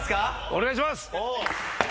お願いします！